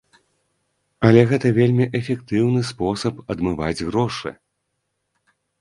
Але гэта вельмі эфектыўны спосаб адмываць грошы.